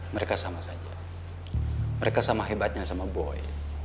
mereka sama saja mereka sama hebatnya sama boy